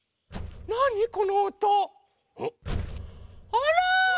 あら！